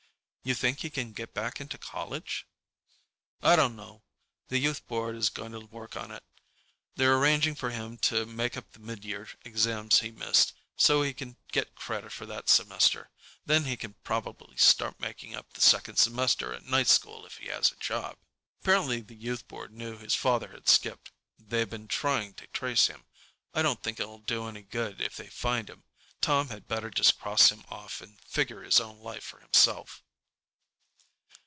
"You think he can get back into college?" "I don't know. The Youth Board is going to work on it. They're arranging for him to make up the midyear exams he missed, so he can get credit for that semester. Then he can probably start making up the second semester at night school if he has a job. "Apparently the Youth Board knew his father had skipped—they've been trying to trace him. I don't think it'll do any good if they find him. Tom had better just cross him off and figure his own life for himself."